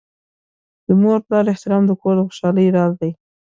د مور پلار احترام د کور د خوشحالۍ راز دی.